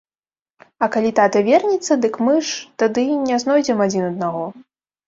А калі тата вернецца, дык мы ж тады не знойдзем адзін аднаго.